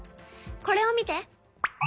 これを見て。